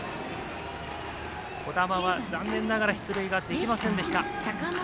児玉は残念ながら出塁できませんでした。